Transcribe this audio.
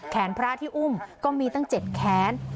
พระที่อุ้มก็มีตั้ง๗แขน